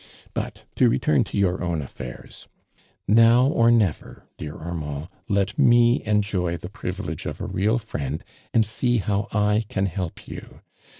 But to return to j'our own affairs. Now or never, dear Armand, let mo enjoy tho i>rivilego of a real friend ami see how I can help y. u.